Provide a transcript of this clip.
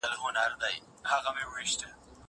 که وخت وي، وخت تېرووم!!